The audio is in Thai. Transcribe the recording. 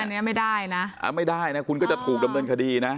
อันนี้ไม่ได้นะไม่ได้นะคุณก็จะถูกดำเนินคดีนะ